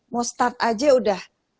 mau start saja sudah